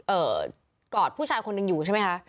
กอดผู้ชายคนหนึ่งอยู่ใช่ไหมคะ